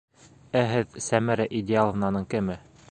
Ә һеҙ Сәмәрә Идеаловнаның кеме?